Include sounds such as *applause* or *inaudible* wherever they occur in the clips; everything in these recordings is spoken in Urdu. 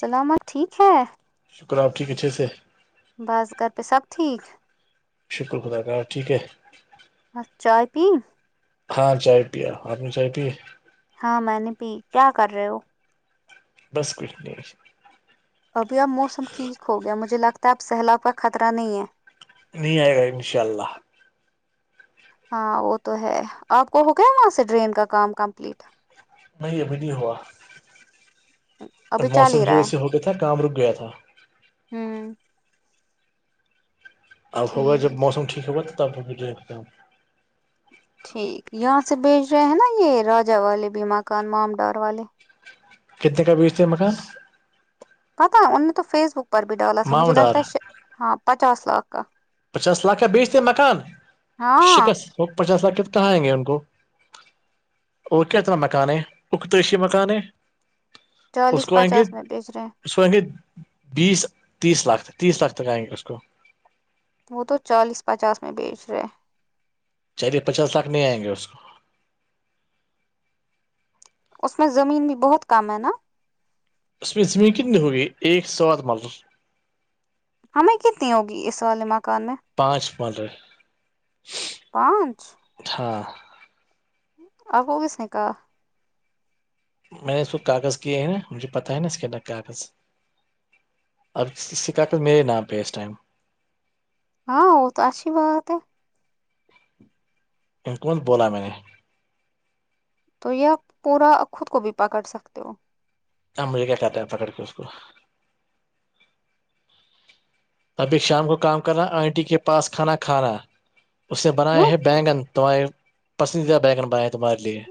سلامت ٹھیک ہے شکرہ آپ ٹھ اچھے سے بس گھر پہ سب ٹھیک شکر خدا کاار ٹھیک ہے چائے پی ہاں چائے پیا آپ نے چائے پ ہاں میں نہیں پ کیا کر رہے ہو بس کچھ نہیں ابھی اب موسم ٹھیک ہو گیا مجھے لگتا ہے اب سیلاب کا خطرہ نہیں ہے نہیں آئے گا انشاء اللہ ہاں وہ تو ہے آپ کو ہو گیا وہاں سے ڈرین کا کام کمپلیٹ نہیں ابھی نہیں ہوا اچ موسم جو ویسے ہو گیا تھا کام رک گیا تھا ہوں اب ہوگا جب ٹھیک موسم ٹھیک ہوگا تو تب دیکھ ٹھیک یہاں سے بھیج رہے ہیں نا یہ راجا والے بھی مکان معام ڈار والے کتنے کا بیجتے مکان پتا ان نے تو فیس بک پر بھی ڈالا تھا مجھے ماؤنٹ آر لگتا ہے ہاں پچاس لاکھ کا پچاس لاکھ کا بیچتے مکان ہاں شکست وہ پچاس لاکھ ک کہاں آئیں گے ان کو اور کیاتنا مکان ہے اختریشی مکان ہے اس چالیس کو آئیں گے پچاس میں بیچ رہے ہیں اس کو آئیں گے بیس تیس لاکھ تک تیس لاکھ تک آئیں گے اس کو وہ تو چالیس پچاس میں بیچ رہے چلیے پچاس لاکھ نہیں آئیں گے اس کو اس میں زمین بھی بہت کم ہے نا اس میں زمین کتنی ہوگی ایک سوات ملوم ہمیں کتنی ہوگی اس والے مکان میں پانچ مانر پانچ ہاں *inaudible* آپ کوگ اس کاا میں نے اس کو کاغذ کیے ہیں نا مجھے پتاہ ہے نا اس کے اندر کاغذ اب ک سے کااقت میرے ناں پہ اس ٹائم ہاں وہ تو اھی بات ہے کون بولا میں نے *unintelligible* تو یہ آپ پورا خود کو بھی پکڑ سکتے ہو ہاں مجھے کیا چاہتے ہیں پکڑ کے اس کو ابھی شام کو کام کرنا آنٹی کے پاس کھانا کھانا اس نے بنائے کیوں ہیں بینگن تمہارے پسندیدہ بینگن بنائے ہیں تمہارے لیے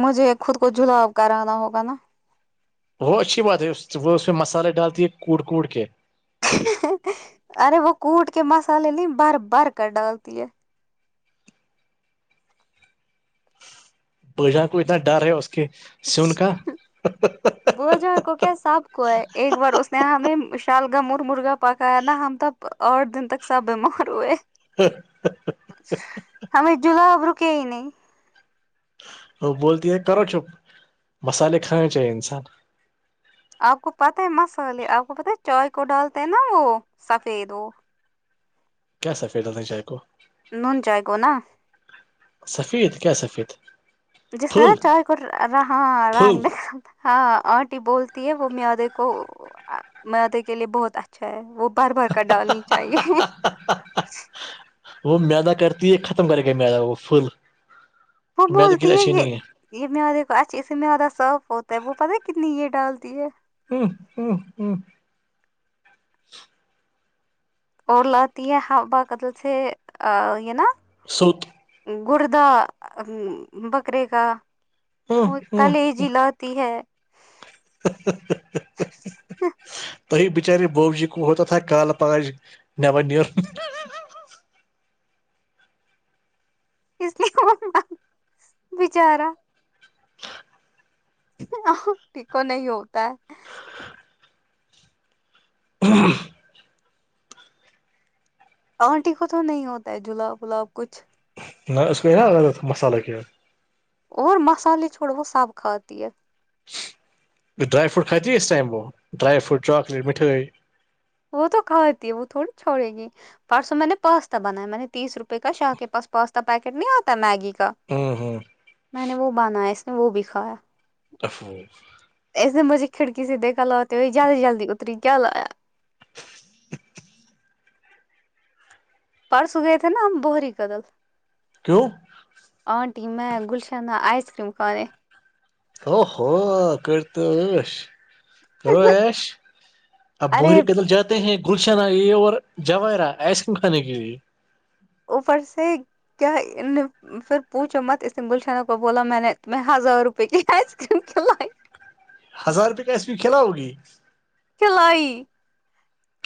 مجھے خود کو جلاب کرانا ہوگا نا وہ اچھی بات ہے وہ اس میں مسالے ڈالتی ہے کود کود کے ارے وہ کوٹ کے مسالے نہیں بھر بھر کر ڈالتی ہے بجا کو اتنا ڈر ہے اس کے سون کا بو ج کو کیا ساب کو ہے ایک بار اس نےیں شالگا م مرغا پکایا نا ہم تب اور دن تک سب بیمار ہوئے ہم جلہ آاب رکئی نہیں *unintelligible* وہ بولتی ہے کرو چپ مسالے کھانا چاہیے انسان آپ کو پت ہے مسالے آپ کو پت ہے چائے کو ڈالتے ہیں نا وہ سفید وہ کیا سفیددیں چائے کو نون جائے گو نا سفید کیا سفید جسے پھل چائےے کو رہاں رگ پھل دیکھا ہاں آنٹی بولتی ہے وہ میادے کو مدے کے لیے بہت اچھا اچھا ہے وہ بار بار کا ڈالنی چاہیے وہ میدا کرتی ہے ختم کرے گا میدا وہ پھل وہ میدا کے بولتی لیے ہے اچھی یہ نہیں *unintelligible* یہ میارے کو اچھاے میارا ساف ہوتا ہے وہ پتہ کتنی یہ ڈالتی ہے ہ ہ *inaudible* ہوں *inaudible* اور لاتتی ہے ہ با قتل سے یہ نا ست *inaudible* گردہ بکرے کا ہ وہ ہ کل یہ جل ہوتی ہے *unintelligible* ت بچارے بب جی ہوت تھا کالہ پگہ نیبر نیروں *unintelligible* اس لیے م بچارا *unintelligible* ٹھیکو نہیں ہوتا ہے *unintelligible* کل *inaudible* آنٹی کو تو نہیں ہوتا ہے جلاب ولاب کچھ ن ا اس کو کر نا ال مصالہ کات *unintelligible* اور مسالے چھوڑو وہ سب کھاتی ہے جو ڈرائی فروٹ کات ہی اس ٹائم وہ ڈرائی فروٹ چاکلیٹ مٹائی وہ تو کھاتی ہے وہ تھوڑی چھوڑے گی پرسوں میں نے پاستا بنایا میں نے تیس روپئے کا شاہ کے پاس پاستا پیکٹ نہیں آتا میگی کا ہوں ہوں میں نے وہ بناایا اس نے وہ بھی کھایا تفوق اس نے مجےھڑی سدے ک لاتتے ہوئی جلدی جلد اتری کیا لایا پرس گئے تھے نا بہری قدل کیوں *unintelligible* آنٹی میں گلشانہ آئس کریم کانیں او ہوو کرتاش کرو ایش آپ ارے بوہری کدم ج ہیں گلشنہ یہ اور جواہرا آئس کریم کھانے کے لیے اوپر سے کیا ان پھر پوچھو مت اس نے گلشنہ کو بولا میں نے تمہیں ہزار روپے کی آئس کریم کھلائی ہزار روپے کا ایس پی کھیلا ہوگی کھلائی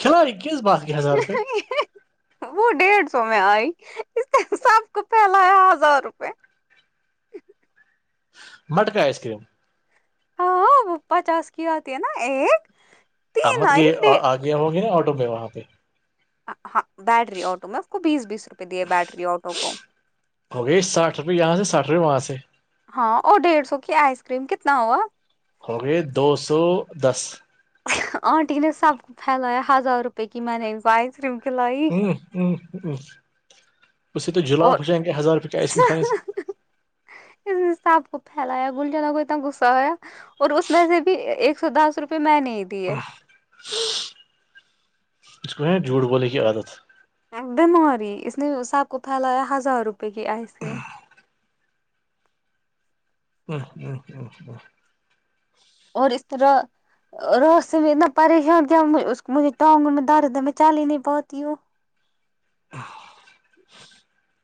کھلاڑی کس بات کے ہزار روپئے *inaudible* وہ ڈیڑھ سو میں آئی اس سب کو پھیلایا ہزار روپے مٹ کا آئس کریم ہاں وہ پچاس کی آتی ہے نا ایک تین احمد آئی کے ڈے آ گیا ہوں گے نا آٹو میں وہاں پہ ہ ہاں بیٹری آٹو میں اس کو بیس بیس روپ اگی ساٹھ روپئے یہاں سے ساٹھ روپئے وہاں سے ہاں اور ڈیڑھ سو کی آئس کریم کتنا ہوا ہو گئے دو سو دس آنٹی نے سب کو پھیلایا ہزار روپے کی میں نے کو آئس کریم کھلائی وں اس یہ تو جلااب اور ہوچائیں گے ہزار روپ کیا آئس کھانے سے اس صب کو پھیلایا گل جلا کوئیتنا غصہ ہویا اور اس میں سے بھی ایک سو دس روپے میں نے دیے اس کو ہے جھوھ بولے کی عادت بیماری اس نے سب کو پھیلایا ہزار روپے کی آئس کریم *inaudible* اور اس طرح اور ر سے میں اتنا پریشان کیا اس مجھے ٹانگو میں درد میں چا ہی نہیں پاتی ہوں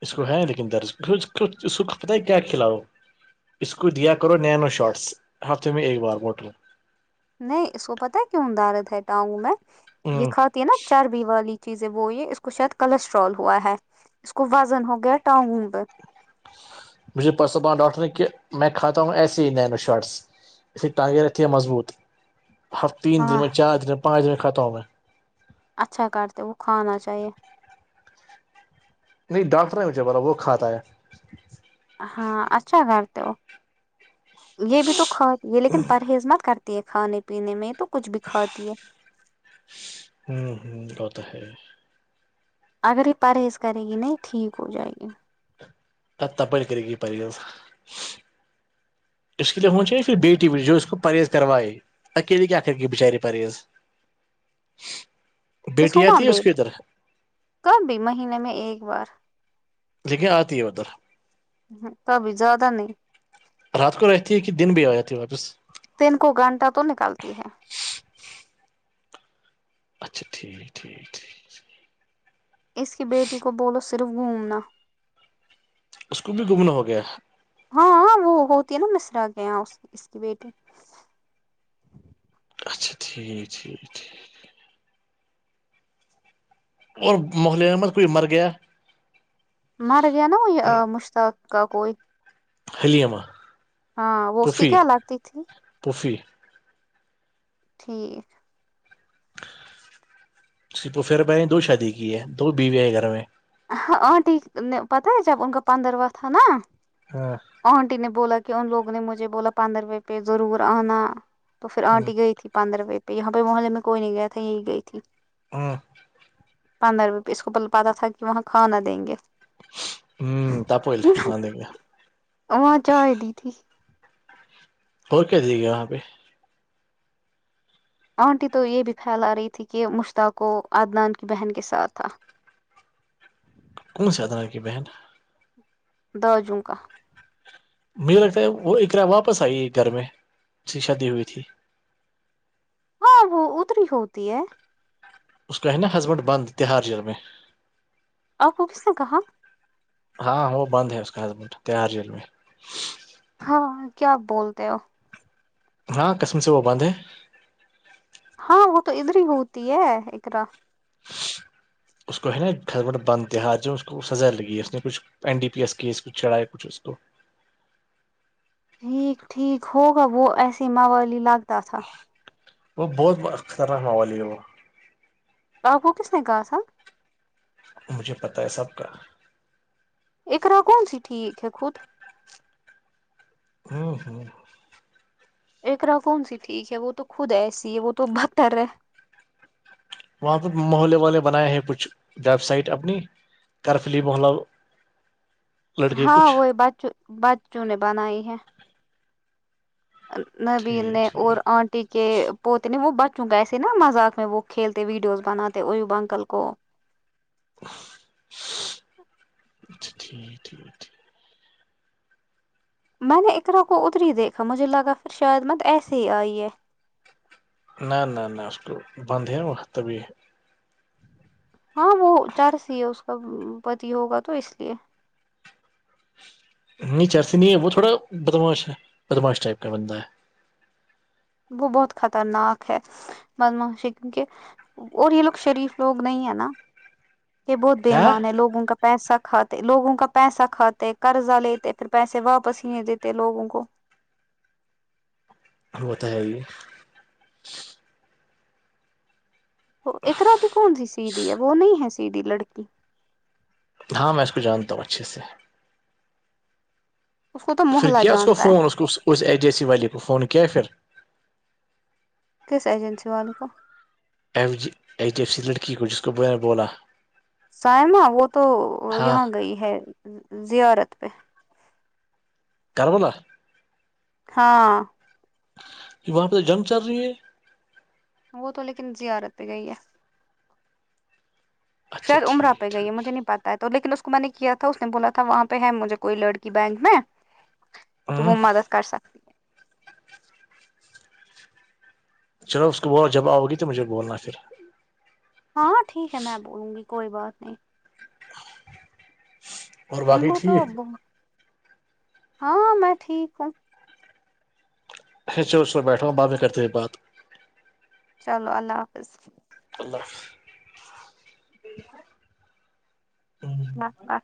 اس کو ہے لیکن درج اس اس کو پت ہے کیا کھلا ہو اس کو دیا کرو نینو شاٹس ہفتے میں ایک بار ہووٹل نہیں اس کو پتہ کیوں دارد ہے ٹگ میں یہ ہ کھاتی ہے نا چار والی چیز ہے وہ یہ اس کو شاید کولسٹرول ہوا ہے اس کو وزن ہو گیا ٹاونب مجھے پرسبنا ڈاکٹر نے کہ میں کھاتا ہوں ایسے ہی نینو شارٹس اسے ٹانگیں رہتی ہیں مضبوط ہر تین دن ہاں میں چار دن میں پانچ دن میں کھاتا ہوں میں اچھا کرتے وہ کھانا چاہیے نہیں ڈاکٹر مجھے با وہ کھا تا ہے ہاں اچھا کرتے ہو یہ بھی تو کھاتات ہے لیکن پرہیز مت کرتے کھانے پینے میں تو کچھ بھی کھاتی ہے ہمم ہمم پتا ہے اگر یہ پرہیز کرے گی نہیں ٹھیک ہو جائے گی پ ت پڑ کر کی پ گس اس کے لیے ہو چیے پھر بیٹی بھی جو ہے اس کو پرہیز کروائے اکیلی کیا آ کر کی بچاری پاریس یہ سبا بیل کب بھی مہینے میں ایک بار لیکن آتی ہے ادھر کبھی زیادہ نہیں رات کو رہتی ہے کہ دن بھی آ جاتی ہے واپس دن کو گھانٹا تو نکالتی ہے اچھا ٹھیک ٹھیک ٹھیک اس کی بیٹی کو بولو صرف گھومنا اس کو بھی گھوم نا ہو گیا ہاں وہ ہوتی ہے نا مصرا کے یہاں اس کی بیٹی اچھا ٹھیک ٹھیک ٹھیک اور محلے میں مت کوئی مر گیا مر گیا نا وہ مشتاق کا کوئی حلیمہ ہاں وہ اس کی کیا لگتی تھی پفھی ٹھیک س تو پھر بہ دو شادی کی ہے دو بیوے ہیں گھر میں ہاں آنٹی نے پتہ ہے جب ان کا پندرواں تھا نا ہاں آنٹی نے بولا کہ ان لوگوں نے مجھے بولا پندر روپے پہ ضرور آنا تو پھر ہ آنٹی گئی تھی پندر روے پہ یہاں پہ محلے میں کوئی نہیں گیا تھا یہی گئی تھی ہاں پندرہ روپئے ا اس کو پ پتہ تھا کہ وہاں کانا دیں گے ہوں تپل ہم دیک گ *unintelligible* ااں چ آئے دی تھی *unintelligible* ہو کیا دے گے وہاں پہ آنٹی تو یہ بھی پھیل رہی تھی کہ مشتاقو عدنان کی بہن کے ساتھ تھا کون سا ادرح کی بہن درجوں کا مجھے لگتا ہے وہ ایک را واپس آئی گھر میں اس کی شادی ہوئی تھی ہاں وہ اتری ہوتی ہے اس کا ہے نا ہسبینڈ بند تہار جیل میں آپ کو کس نے کہا ہاں وہ بند ہے اس کا ہٹ ت ہار جیل میں ہاں کیاپ بولتے ہو ہاں قسم سے وہ بندد ہے ہاں وہ تو ادھر ہی ہوتی ہے ارا اس کو ہے نا کھ بٹ بندتے ہات جو اس کو سزا لگی ہے اس نے کچھ N D P S case کو چڑھا ہے کچھ اس کو ٹھیک ٹھیک ہوگا وہ ایسے موالی لگتا تھا وہ بہت خطرناک ما والی ہے وہ آاپ وہ کس ن گاسہ مجھے پتا ہے سب کا ارا کون سی ٹھیک ہے خود ہاں ہاں ایکرا کون سی ٹھیک ہے وہ تو خود ایسی ہے وہ تو بکتر ہے وہاں پہ محلے والے بنائے ہیں کچھ ویب سائٹ اپنی کرفلی محلہ *inaudible* ہاں کچھ وہی بچوں بچوں نے بنائی ہے نویل ٹھیک نے ٹھیک اور آنٹی کے پوتے نے وہ بچوں گیسے نا مذاق میں وہ کھیلتے ویڈیوز بناتے اویوب انکل کو اچھا ٹھیک ٹھیک ٹھیک میں نے اقرا کو اتری دیکھا مجھے لگا پھر شاید مت ایسے ہی آئی ہے نہ نہ نہ اس کو بند ہے وہقتبھی ہاں وہ چار س ہے اس کا پتی ہوگا تو اس لیے نہیں چرسی نہیں ہے وہ تھوڑا بدماش ہے بدماش ٹائپ کا بندہ ہے وہ بہت خطرناک ہے م مشی کیونکہ اور یہ لوگ شریف لوگ نہیں ہے نا یہ بہت ہاں بےمان ہے لوگوں کا پیسہ کھاتے لوگوں کا پیسہ کھاتے قرضہ لیتے پھر پیسے واپس ہی نہیں دیتے لوگوں کو ہوتا ہے یہ ار بھی کون سی سیدھی ہے وہ نہیں ہے سیدھی لڑکی ہاں میں اس کو جانتا ہوں اچھے سے اس کو تو پھر محلہ کیا اس کو جانتا فون ہے اس اس ایجیسی والے کو فون کیا ہے پھر کس ایجنسی والے کو F G H D F C لڑکی کو جس کو بیر بولا سائمہ وہ تو ہاں یہاں گئی ہے زیارت پہ کربول *inaudible* ہاں کہ وہاں پہ تو جنگ چل رہی ہے وہ تو لیکن زیارت پہ گئی ہے اچھا شاید عمرہ ٹھیک پہ گئی ہے ٹھیک مجھے نہیں پاتا تو لیکن اس کو میں نے کیا تھا اس نے بولا تھا وہاں پہ ہے مجھے کوئی لڑکی بینک میں ت ہ وہ مدد کر سکتا چلو اس کو بول جب آؤ گی تو مجھے بولنا پھر ہاں ٹھیک ہے میں بولوں گی کوئی بات نہیں اور باقی انگو تو ٹھیک اب ہاں میں ٹھیک ہوں ہچور اس میں بیٹھاوں ب میں کرتے ہوئے بات چلو اللہ حافظ اللہفظ *inaudible* ج س *inaudible* بات بات